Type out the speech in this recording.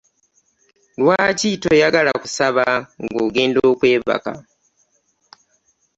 Lwaki toyagala kusaba nga ogenda kwebaka?